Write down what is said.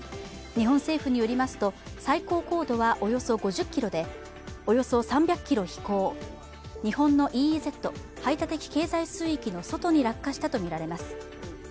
日本政府によりますと最高高度はおよそ５０ｋｍでおよそ３００ｋｍ飛行、日本のＥＥＺ＝排他的経済水域の外に落下したとみられます。